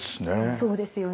そうですよね。